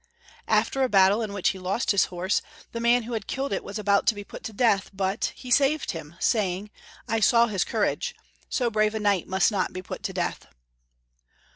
After a battle in which he lost his horse, the man who had killed it was about to be put to death but, he saved him, saying, "I saw his courage. So brave a knight must not be put to death."